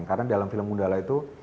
karena dalam film gundala itu